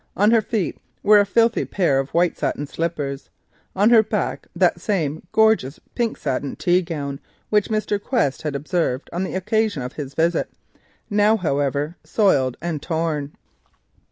On her feet were a filthy pair of white satin slippers, and on her back that same gorgeous pink satin tea gown which Mr. Quest had observed on the occasion of his visit, now however soiled and torn.